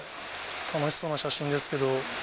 楽しそうな写真ですけど。